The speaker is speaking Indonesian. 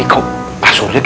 itu adalah allahmu minum minu